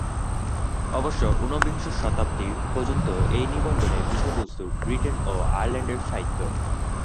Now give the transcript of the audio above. অবশ্য ঊনবিংশ শতাব্দী পর্যন্ত এই নিবন্ধের বিষয়বস্তু ব্রিটেন ও আয়ারল্যান্ডের সাহিত্য।